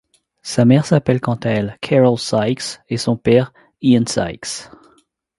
Sa mère s'appelle quant à elle Carol Sykes et son père Ian Sykes.